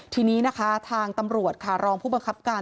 ทีนี้นะคะทางตำรวจค่ะรองผู้บังคับการ